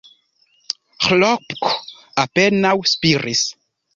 Ĥlopko apenaŭ spiris.